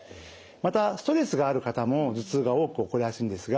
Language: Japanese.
またストレスがある方も頭痛が多く起こりやすいんですが。